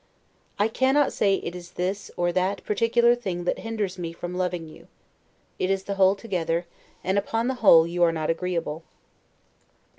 I cannot say it is this or that particular thing that hinders me from loving you; it is the whole together; and upon the whole you are not agreeable.